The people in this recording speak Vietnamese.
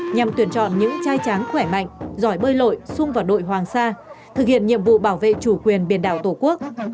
nhằm tuyển chọn những chai tráng khỏe mạnh giỏi bơi lội xung vào đội hoàng sa thực hiện nhiệm vụ bảo vệ chủ quyền biển đảo tổ quốc